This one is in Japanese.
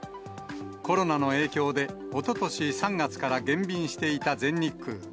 コロナの影響で、おととし３月から減便していた全日空。